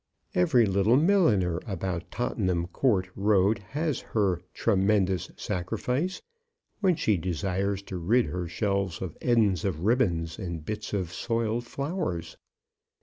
Every little milliner about Tottenham Court Road has her "Tremendous Sacrifice!" when she desires to rid her shelves of ends of ribbons and bits of soiled flowers.